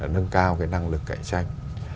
nâng cao cái năng lực cạnh tranh